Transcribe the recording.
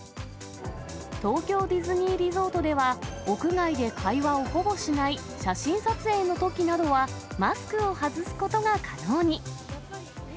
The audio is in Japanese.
東京ディズニーリゾートでは、屋外で会話をほぼしない写真撮影のときなどはマスクを外すことが可能に。